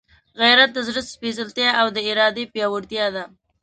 غیرت د زړه سپېڅلتیا او د ارادې پیاوړتیا ده.